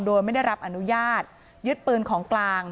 โดยไม่ได้รับอนุญาตยึดปืนของกลาง